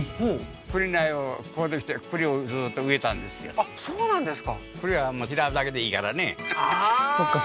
栗あっそうなんですか